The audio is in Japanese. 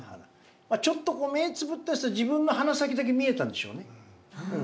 ちょっとこう目つぶったりすると自分の鼻先だけ見えたんでしょうね。